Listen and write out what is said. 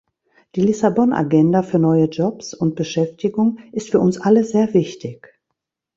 Die Lissabon-Agenda für neue Jobs und Beschäftigung ist für uns alle sehr wichtig.